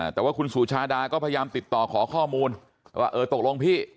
แต่ว่าคุณสุชาดาก็พยายามติดต่อขอข้อมูลว่าเออตกลงพี่